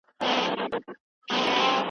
فزیکي ځواک په سیاست کي کارول سوی وو.